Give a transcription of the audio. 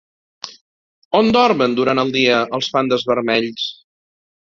On dormen durant el dia els pandes vermells?